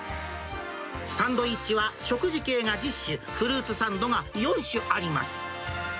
サンドイッチは食事系が１０種、フルーツサンドが４種あります。